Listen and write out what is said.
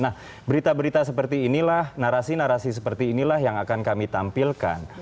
nah berita berita seperti inilah narasi narasi seperti inilah yang akan kami tampilkan